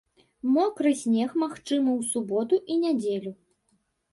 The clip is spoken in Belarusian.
Мокры снег магчымы ў суботу і нядзелю.